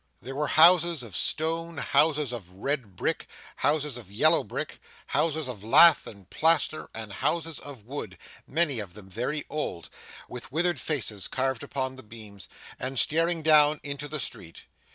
There were houses of stone, houses of red brick, houses of yellow brick, houses of lath and plaster; and houses of wood, many of them very old, with withered faces carved upon the beams, and staring down into the street.